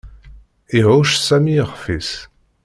Ihucc Sami ixef-is.